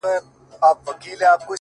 جانان ارمان د هره یو انسان دی والله ـ